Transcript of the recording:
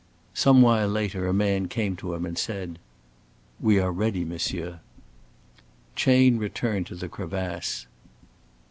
Some while later a man came to him and said: "We are ready, monsieur." Chayne returned to the crevasse.